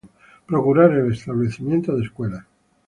Procurar el establecimiento de escuelas.